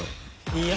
いや。